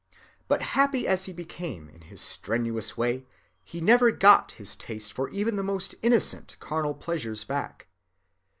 But happy as he became in his strenuous way, he never got his taste for even the most innocent carnal pleasures back.